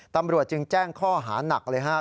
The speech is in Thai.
ตำรวจจึงแจ้งข้อหานักเลยครับ